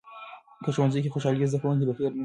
که ښوونځي کې خوشالي وي، زده کوونکي به هیر نسي.